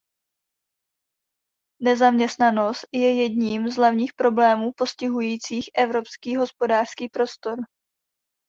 Nezaměstnanost je jedním z hlavních problémů postihujících Evropský hospodářský prostor.